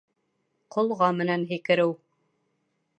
Ҡолға менән һикереү